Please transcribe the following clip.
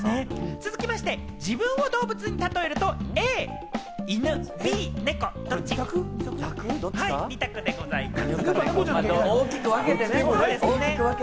続きまして、自分を動物に例えると、Ａ・犬、Ｂ・猫、ドッチ？二択でございます。